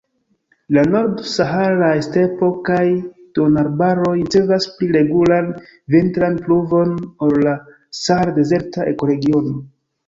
La nord-saharaj stepo kaj duonarbaroj ricevas pli regulan vintran pluvon ol la sahar-dezerta ekoregiono.